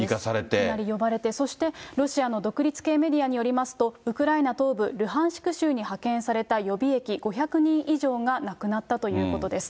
いきなり呼ばれて、そしてロシアの独立系メディアによりますと、ウクライナ東部ルハンシク州に派遣された予備役５００人以上が亡くなったということです。